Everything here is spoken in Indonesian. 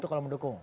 itu kalau mendukung